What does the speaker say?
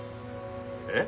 えっ？